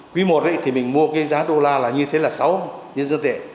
quý i thì mình mua cái giá đô la là như thế là sáu nhân dân tệ